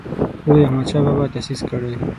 لوی احمدشاه بابا تاسیس کړی.